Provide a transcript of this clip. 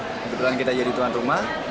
untuk kemudian kita jadi tuan rumah